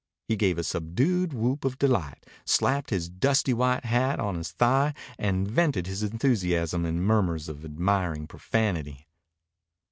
He gave a subdued whoop of delight, slapped his dusty white hat on his thigh, and vented his enthusiasm in murmurs of admiring profanity.